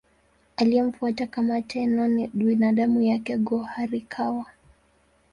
Aliyemfuata kama Tenno ni binamu yake Go-Horikawa.